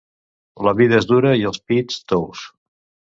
La vida és dura i els pits, tous.